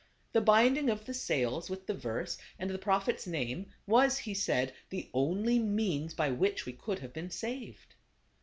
The binding of the sails with the verse and the Prophet's name was, he said, the only means by which we could have been saved.